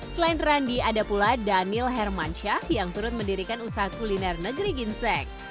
selain randi ada pula daniel hermansyah yang turut mendirikan usaha kuliner negeri ginsek